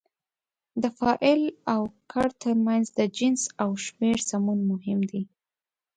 د فاعل او کړ ترمنځ د جنس او شمېر سمون مهم دی.